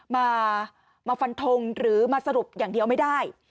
มาฟันทงหรือมาสรุปอย่างเดียวไม่ได้